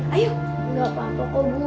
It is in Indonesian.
gak apa apa kok bu